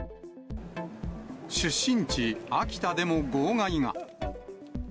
出身地、秋田でも号外が。